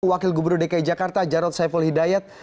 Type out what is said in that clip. wakil gubernur dki jakarta jarod saiful hidayat